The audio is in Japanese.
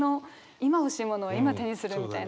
今欲しいものは今手にするみたいな。